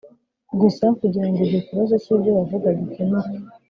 gusa kugira ngo icyo kibazo cy ibyo bavuga gikemuke